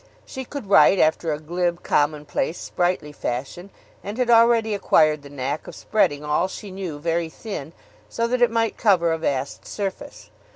She could write after a glib, common place, sprightly fashion, and had already acquired the knack of spreading all she knew very thin, so that it might cover a vast surface.